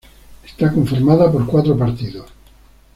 Está conformada por cuatro partidos.